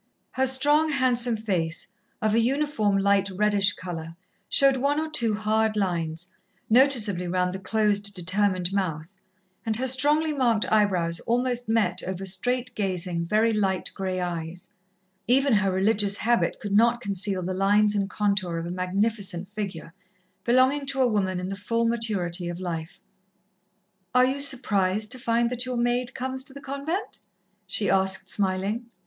Her strong, handsome face, of a uniform light reddish colour, showed one or two hard lines, noticeably round the closed, determined mouth, and her strongly marked eyebrows almost met over straight gazing, very light grey eyes. Even her religious habit could not conceal the lines and contour of a magnificent figure, belonging to a woman in the full maturity of life. "Are you surprised to find that your maid comes to the convent?" she asked, smiling.